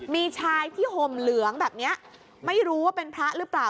มีชายที่ห่มเหลืองแบบนี้ไม่รู้ว่าเป็นพระหรือเปล่า